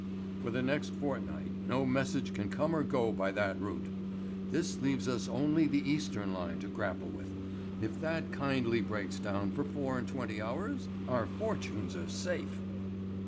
For the next fortnight no message can come or go by that route. This leaves us only the Eastern line to grapple with. If that kindly breaks down for four and twenty hours, our fortunes are safe."